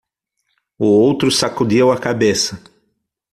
O outro sacudiu a cabeça.